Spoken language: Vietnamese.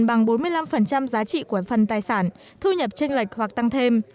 bằng bốn mươi năm giá trị của phần tài sản thu nhập tranh lệch hoặc tăng thêm